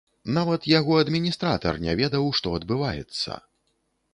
Нават яго адміністратар не ведаў, што адбываецца!